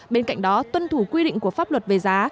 bên cạnh đó tuân thủ quy định của pháp luật về giá